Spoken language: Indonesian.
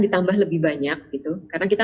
ditambah lebih banyak gitu karena kita